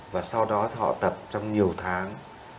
và sau đó họ tập trong nhiều tháng